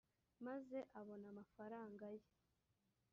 maze abona amafaranga ye